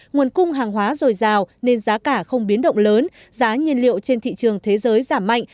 nguồn cung hàng hóa dồi dào nên giá cả không biến động lớn giá nhiên liệu trên thị trường thế giới giảm mạnh